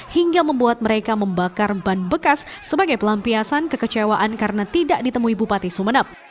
hingga membuat mereka membakar ban bekas sebagai pelampiasan kekecewaan karena tidak ditemui bupati sumeneb